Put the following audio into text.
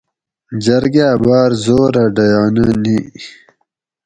جرگاۤ باۤر زورہ ڈیانہ نی